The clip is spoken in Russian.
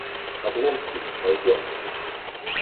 Облонский, пойдем!